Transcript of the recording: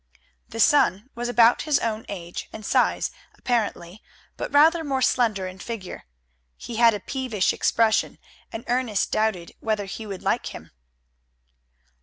The son was about his own age and size apparently, but rather more slender in figure. He had a peevish expression, and Ernest doubted whether he would like him.